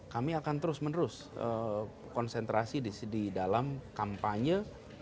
kami akan terus menerus konsentrasi di dalam kampanye